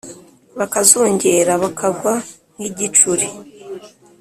Bakazungera bakagwa nkigicuri